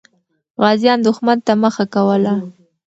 غازیان دښمن ته مخه کوله.